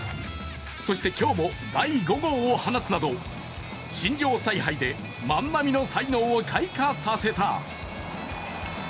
そして今日も第５号を放つなど新庄采配で万波の才能を開花させた。